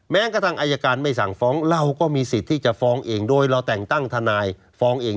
แม้กระทั่งอายการไม่สั่งฟ้องเราก็มีสิทธิ์ที่จะฟ้องเองโดยเราแต่งตั้งทนายฟ้องเอง